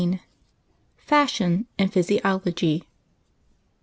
FASHION AND PHYSIOLOGY.